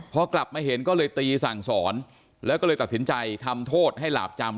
พอกลับมาเห็นก็เลยตีสั่งสอนแล้วก็เลยตัดสินใจทำโทษให้หลาบจำ